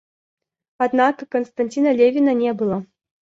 Одного Константина Левина не было.